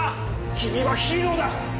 君はヒーローだ！